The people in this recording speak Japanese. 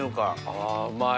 あうまい。